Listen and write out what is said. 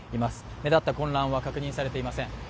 目立った混乱は確認されていません。